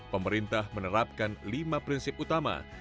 pemerintah menerapkan lima prinsip utama